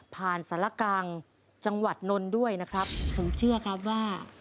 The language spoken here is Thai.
สารกลางจังหวัดนนท์ด้วยนะครับผมเชื่อครับว่า